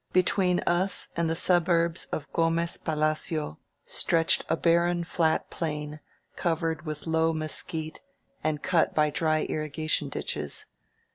Between us and the suburbs of Gomez Pala cio stretched a barren, flat plain, covered with low mesquite and cut by dry irrigation ditches.